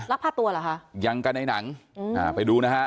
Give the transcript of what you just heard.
รับผ้าตัวเหรอฮะอย่างกับในหนังอืมอ่าไปดูนะฮะ